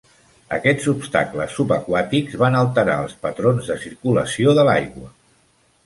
Aquests obstacles subaquàtics van alterar els patrons de circulació de l'aigua.